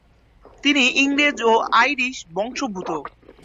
তিনি ইংরেজ ও আইরিশ বংশোদ্ভূত।